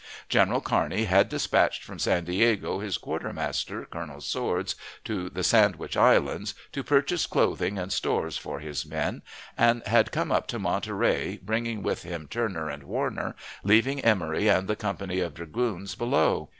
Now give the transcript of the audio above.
General Kearney had dispatched from San Diego his quartermaster, Colonel Swords, to the Sandwich Islands, to purchase clothing and stores for his men, and had come up to Monterey, bringing with him Turner and Warner, leaving Emory and the company of dragoons below.